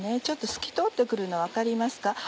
ちょっと透き通って来るの分かりますか？